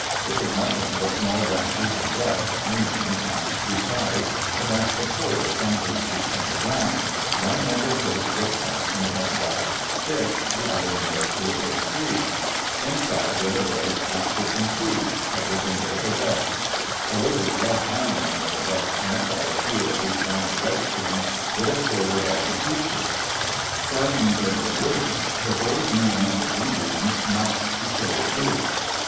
It was nothing but small branches and brush, leaning, on two sides, against a pole some eight feet from the ground, one end of which was fastened in a crotched stick, the other nailed to a big tree. Inside were the boys' blankets and food — everything they possessed. A little rough handling of the brush tent by a few of these brawny redskins would have pulled it all to pieces. Frightened though they were, the boys knew enough of Indians not to show fear.